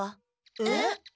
えっ！？